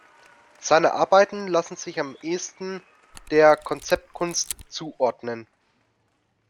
Seine Arbeiten lassen sich am ehesten der Konzeptkunst zuordnen.